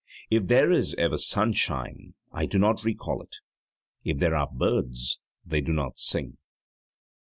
If there is ever sunshine I do not recall it; if there are birds they do not sing.